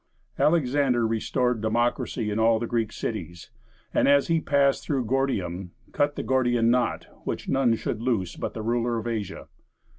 Alexander restored democracy in all the Greek cities; and as he passed through Gordium, cut the Gordian knot, which none should loose but the ruler of Asia.